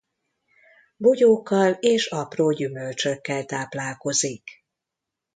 Bogyókkal és apró gyümölcsökkel táplálkozik.